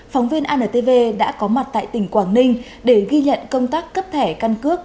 phóng viên antv đã có mặt tại tỉnh quảng ninh để ghi nhận công tác cấp thẻ căn cước